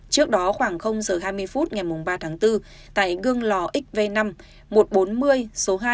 trước đó khoảng giờ hai mươi phút ngày ba tháng bốn tại gương lò xv năm một trăm bốn mươi số hai